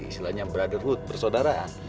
istilahnya brotherhood persaudaraan